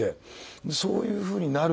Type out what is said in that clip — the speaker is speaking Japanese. でそういうふうになる